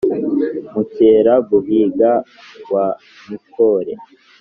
mukera-guhiga wa mikore,